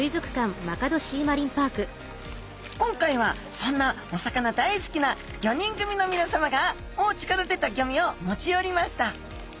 今回はそんなお魚大好きな５人組のみなさまがおうちから出たゴミを持ち寄りました